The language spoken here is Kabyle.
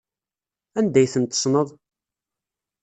Anda ay ten-tessneḍ?